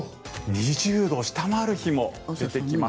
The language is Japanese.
２０度を下回る日も出てきます。